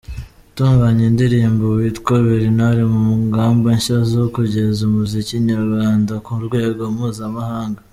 Utuganya indirimbo witwa Berinari mu ngamba nshya zo kugeza umuziki nyarwanda ku rwego mpuzamahanga